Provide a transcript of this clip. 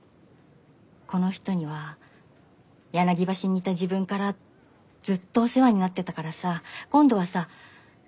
この人には柳橋にいた時分からずっとお世話になってたからさ今度はさ